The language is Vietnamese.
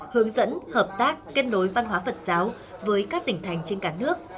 hướng dẫn hợp tác kết nối văn hóa phật giáo với các tỉnh thành trên cả nước